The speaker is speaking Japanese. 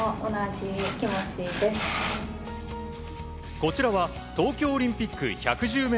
こちらは東京オリンピック１１０ｍ